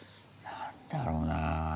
何だろうなぁ。